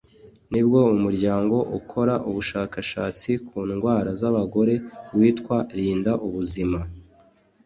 nibwo umuryango ukora ubushashatsi ku ndwara z’abagore witwa “Rinda Ubuzima”